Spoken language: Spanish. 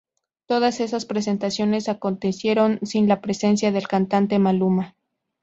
Todas esas presentaciones acontecieron sin la presencia del cantante Maluma.